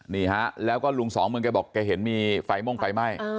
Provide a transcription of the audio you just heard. นี่ฮะแล้วก็ลุงสองเมืองแกบอกแกเห็นมีไฟม่วงไฟไหม้